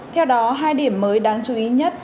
theo đó hai điểm mới đáng chú ý nhất